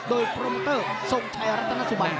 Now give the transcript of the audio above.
โดยโปรโมเตอร์ทรงชัยรัตนสุบัน